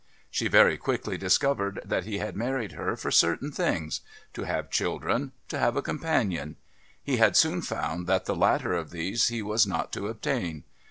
She very quickly discovered that he had married her for certain things to have children, to have a companion. He had soon found that the latter of these he was not to obtain.